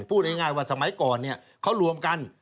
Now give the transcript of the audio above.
พูดง่ายว่าสมัยก่อนเขารวมกัน